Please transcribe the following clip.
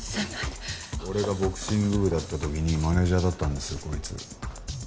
俺がボクシング部だった時にマネージャーだったんですよこいつ。